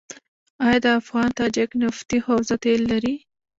آیا د افغان تاجک نفتي حوزه تیل لري؟